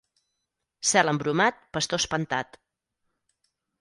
Cel embromat, pastor espantat.